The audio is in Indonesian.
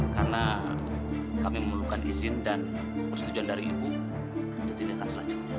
karena kami memerlukan izin dan persetujuan dari ma untuk didapatkan selanjutnya